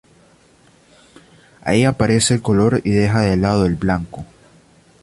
Ahí aparece el color y deja de lado el blanco.